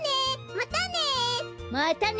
またね！